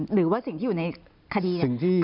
หรือว่าสิ่งที่อยู่ในคดี